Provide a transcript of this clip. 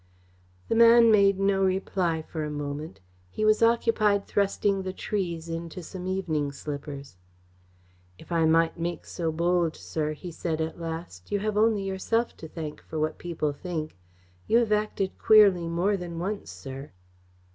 The man made no reply for a moment. He was occupied thrusting the trees into some evening slippers. "If I might make so bold, sir," he said at last, "you have only yourself to thank for what people think. You have acted queerly more than once, sir."